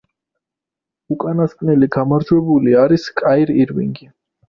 უკანასკნელი გამარჯვებული არის კაირ ირვინგი.